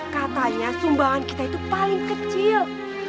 katanya sumbangan kita itu paling kecil